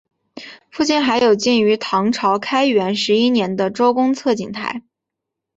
附近还有建于唐朝开元十一年的周公测景台。